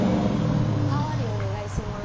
おかわりお願いします。